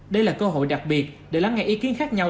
đây là cơ hội đặc biệt để lắng nghe ý kiến khác nhau